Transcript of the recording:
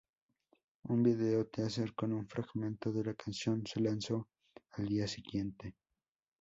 Un video teaser con un fragmento de la canción se lanzó al día siguiente.